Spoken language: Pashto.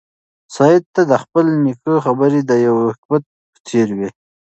سعید ته د خپل نیکه خبرې د یو حکمت په څېر وې.